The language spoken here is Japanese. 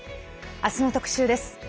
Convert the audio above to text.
明日の特集です。